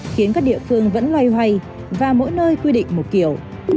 khiến các địa phương vẫn loay hoay và mỗi nơi quy định một kiểu